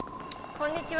こんにちは。